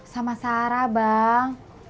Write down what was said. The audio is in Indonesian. sama sarah bang